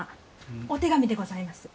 お手紙でございます。